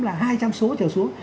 là hai trăm linh số trở xuống